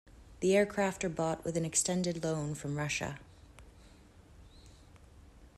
The aircraft are bought with an extended loan from Russia.